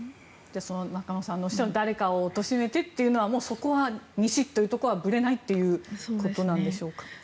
中野さんのおっしゃる誰かを貶めてというのはそこは西というところはぶれないということなんでしょうか。